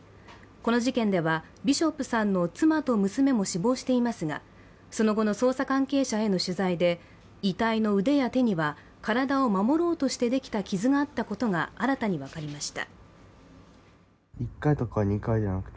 この事件ではビショップさんの妻と娘も死亡していますがその後の捜査関係者への取材で遺体の腕や手には体を守ろうとしてできた傷があったことが新たに分かりました。